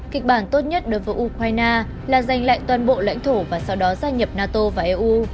kịch bản tốt nhất đối với ukraine là giành lại toàn bộ lãnh thổ và sau đó gia nhập nato vào eu